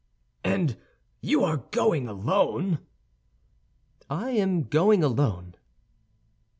"And you are going alone?" "I am going alone."